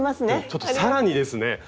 ちょっと更にですね